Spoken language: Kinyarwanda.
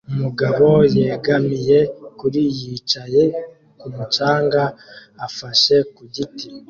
Umugabo yegamiye kuri yicaye kumu canga afashe ku giti